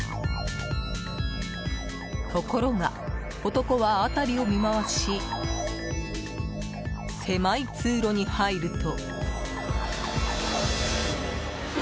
ところが、男は辺りを見回し狭い通路に入ると。